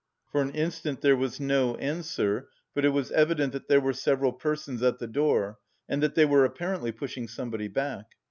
For an instant there was no answer, but it was evident that there were several persons at the door, and that they were apparently pushing somebody back.